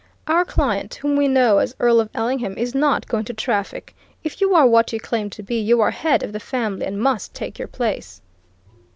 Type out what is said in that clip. Our client, whom we know as Earl of Ellingham, is not going to traffic. If you are what you claim to be, you are head of the family and must take your place."